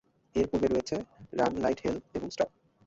এর পূর্বে রয়েছে "রান লাইক হেল" এবং "স্টপ"।